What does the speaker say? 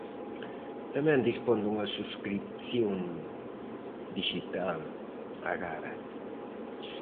Tamén dispón dunha subscrición dixital a Gara.